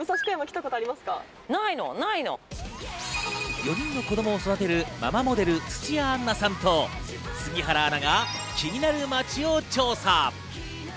４人の子供を育てるママモデル、土屋アンナさんと杉原アナが気になる街を調査。